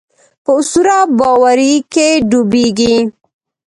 په اسطوره باورۍ کې ډوبېږي.